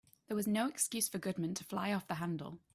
There was no excuse for Goodman to fly off the handle.